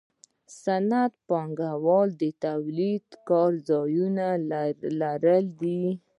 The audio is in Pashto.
صنعتي پانګوال د تولیدي کارځای لرونکي دي